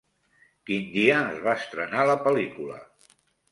Quin dia es va estrenar la pel·lícula?